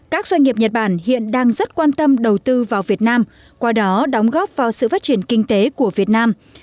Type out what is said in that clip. các doanh nghiệp nhật bản hiện đang rất quan tâm đầu tư vào việt nam qua đó đóng góp vào sự phát triển kinh tế của việt nam